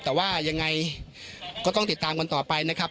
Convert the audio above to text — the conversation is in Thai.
แต่ว่ายังไงก็ต้องติดตามกันต่อไปนะครับ